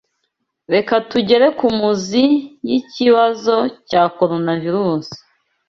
Reka tugere kumuzi yikibazo cya Coronavirus.